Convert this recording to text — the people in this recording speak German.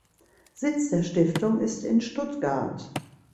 Sitz der Stiftung ist in Stuttgart.